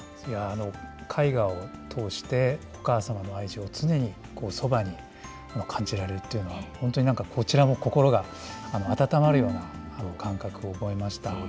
いやー、絵画を通してお母様の愛情を常にそばに感じられるというのは、本当になんかこちらも心が温まるような感覚を覚えました。